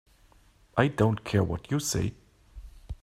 I don't care what you say.